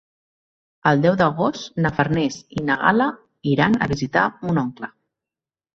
El deu d'agost na Farners i na Gal·la iran a visitar mon oncle.